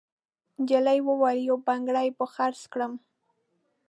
نجلۍ وویل: «یو بنګړی به خرڅ کړم.»